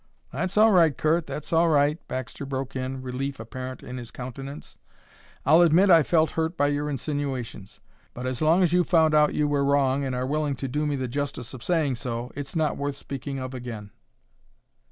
"That's all right, Curt, that's all right!" Baxter broke in, relief apparent in his countenance. "I'll admit I felt hurt by your insinuations, but as long as you've found out you were wrong and are willing to do me the justice of saying so, it's not worth speaking of again."